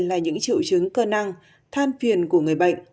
là những triệu chứng cơ năng than phiền của người bệnh